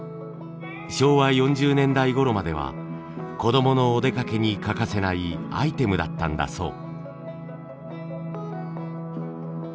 昭和４０年代ごろまでは子供のお出かけに欠かせないアイテムだったんだそう。